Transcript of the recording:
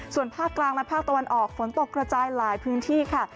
ส่วนภาคกลางและภาคตะวันออกฝนตกกระจายหลายพื้นที่ค่ะ